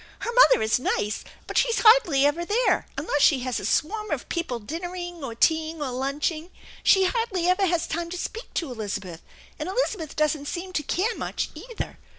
Her mother is nice, but she's hardly ever there, unless she has a swarm of people dinnering or teaing or lunching. She hardly ever has time to speak to Elizabeth, and Elizabeth doesn't seem to care much, either.